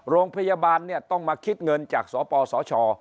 โรงพยาบาลเนี่ยต้องมาคิดเงินจากสปสช